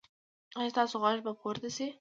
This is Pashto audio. ایا ستاسو غږ به پورته شي؟